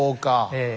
ええ。